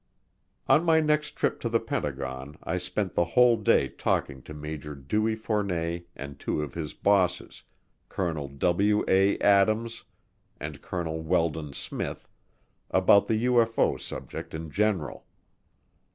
On my next trip to the Pentagon I spent the whole day talking to Major Dewey Fournet and two of his bosses, Colonel W. A. Adams and Colonel Weldon Smith, about the UFO subject in general.